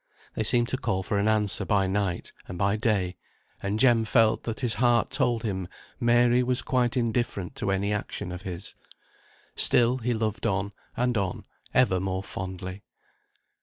They seemed to call for an answer by night, and by day; and Jem felt that his heart told him Mary was quite indifferent to any action of his. Still he loved on, and on, ever more fondly.